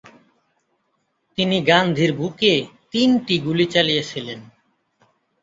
তিনি গান্ধীর বুকে তিনটি গুলি চালিয়েছিলেন।